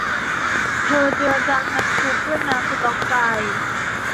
เธอเจือจางน้ำซุปด้วยน้ำสต๊อกไก่